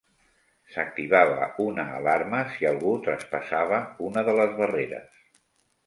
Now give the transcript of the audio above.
S"activava una alarma si algú traspassava una de les barreres.